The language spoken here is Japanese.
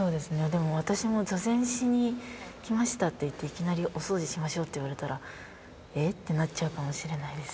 でも私も「座禅しに来ました」って言っていきなり「おそうじしましょう」って言われたら「え？」ってなっちゃうかもしれないです。